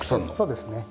そうですね。